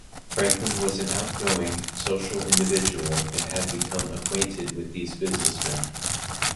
Franklin was an outgoing, social individual and had become acquainted with these businessmen.